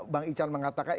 bang icar mengatakan